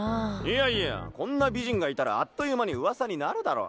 いやいやこんな美人がいたらあっという間に噂になるだろ。